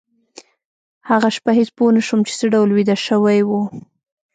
هغه شپه هېڅ پوه نشوم چې څه ډول ویده شوي وو